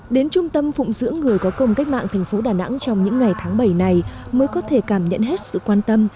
đến trung tâm phụng dưỡng người có công cách mạng tp đà nẵng trong những ngày tháng bảy này mới có thể cảm nhận hết sự quan tâm